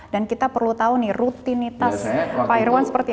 dan kita perlu tahu nih rutinitas pak irwan seperti apa